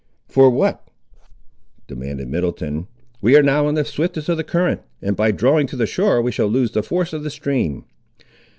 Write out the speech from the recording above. "For what?" demanded Middleton; "we are now in the swiftest of the current, and by drawing to the shore we shall lose the force of the stream."